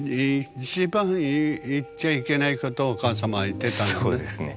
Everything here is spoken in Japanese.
一番言っちゃいけないことをお母様は言ってたのね。